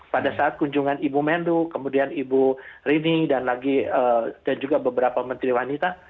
pada saat kunjungan ibu menlu kemudian ibu rini dan juga beberapa menteri wanita